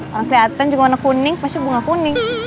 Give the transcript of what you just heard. orang kelihatan juga warna kuning pasti bunga kuning